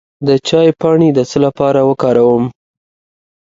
د چای پاڼې د څه لپاره وکاروم؟